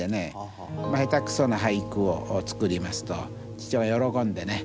下手くそな俳句を作りますと父親喜んでね